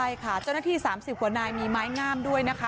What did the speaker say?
ใช่ค่ะเจ้าหน้าที่๓๐กว่านายมีไม้งามด้วยนะคะ